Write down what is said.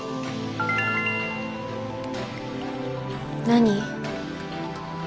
何？